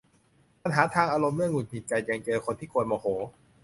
ปัญหาทางอารมณ์ เรื่องหงุดหงิดใจ ยังเจอคนที่กวนโมโห